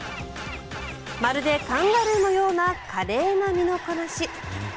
まるでカンガルーのような華麗な身のこなし。